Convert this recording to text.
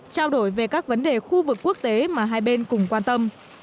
trao đổi về các vấn đề khu vực quốc tế mà hai bên cùng quan tâm